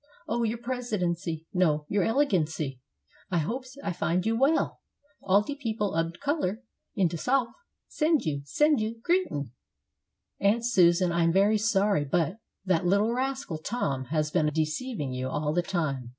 Oh, your Presidency no, your Elegancy, I hopes I find you well. All de people ob color in de Souf send you send you greetin'!" "Aunt Susan, I am very sorry; but that little rascal, Tom, has been deceiving you all the time.